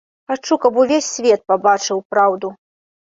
Хачу, каб увесь свет пабачыў праўду.